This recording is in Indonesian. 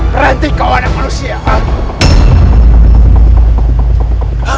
berhenti kau anak manusia